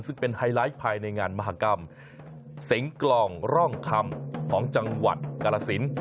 ซึ่งเป็นไฮไลท์ภายในงานมหากรรมสิงกลองร่องคำของจังหวัดกรสิน